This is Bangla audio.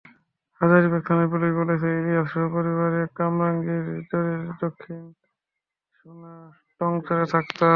হাজারীবাগ থানার পুলিশ বলেছে, ইলিয়াস সপরিবারে কামরাঙ্গীর চরের দক্ষিণ সোনা টংচরে থাকত।